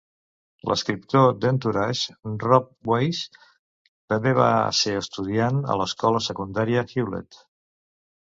L'escriptor "d'Entourage", Rob Weiss, també va ser estudiant a l'escola secundària Hewlett.